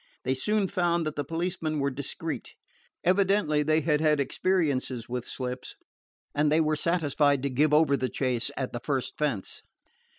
They soon found that the policemen were discreet. Evidently they had had experiences in slips, and they were satisfied to give over the chase at the first fence.